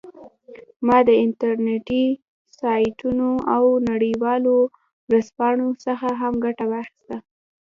ما د انټرنیټي سایټونو او نړیوالو ورځپاڼو څخه هم ګټه واخیسته